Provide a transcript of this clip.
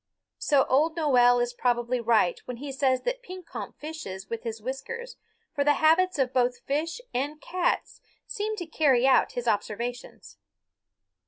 So Old Noel is probably right when he says that Pekompf fishes with his whiskers, for the habits of both fish and cats seem to carry out his observations.